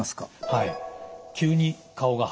はい。